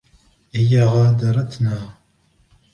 هي غادرتنا.